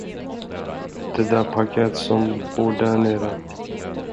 Det där packet, som bor därnere.